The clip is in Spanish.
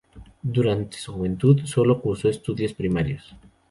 Durante su juventud sólo cursó estudios primarios.